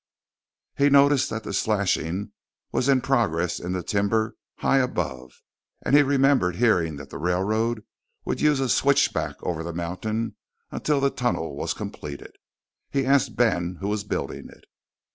He noticed that the slashing was in progress in the timber high above, and he remembered hearing that the railroad would use a switchback over the mountain till the tunnel was completed. He asked Ben who was building it.